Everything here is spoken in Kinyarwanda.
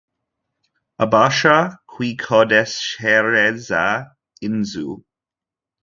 Abasha kwikodeshereza inzu